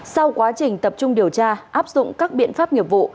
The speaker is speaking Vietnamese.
sau quá trình tập trung điều tra áp dụng các biện pháp nghiệp vụ